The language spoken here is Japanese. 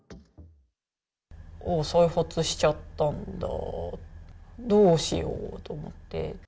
ああ、再発しちゃったんだ、どうしようと思って。